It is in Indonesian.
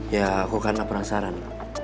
ya aku karena penasaran